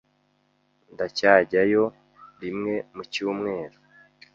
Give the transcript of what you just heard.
Ndacyajyayo rimwe mu cyumweru.